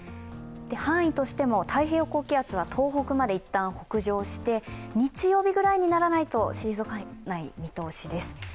範囲としても太平洋高気圧は東北まで一旦北上して、日曜日ぐらいにならないと退かない見通しです。